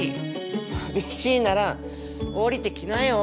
さみしいなら降りてきなよ。